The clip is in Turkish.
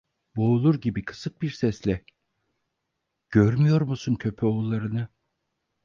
Boğulur gibi kısık bir sesle: "Görmüyor musun köpoğlularını…"